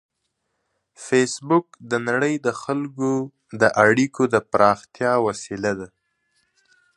فېسبوک د نړۍ د خلکو د اړیکو د پراختیا وسیله ده